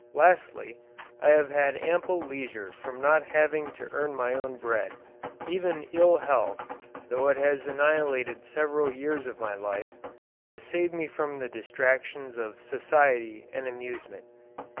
Lastly, I have had ample leisure from not having to earn my own bread. Even ill health, though it has annihilated several years of my life, has saved me from the distractions of society and amusement.